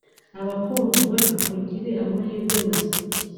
abakundwa mugire amahirwe masaaaa